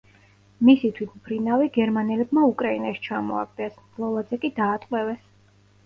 მისი თვითმფრინავი გერმანელებმა უკრაინაში ჩამოაგდეს, ლოლაძე კი დაატყვევეს.